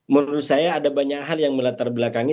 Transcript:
menurut saya ada banyak hal yang melatar belakangi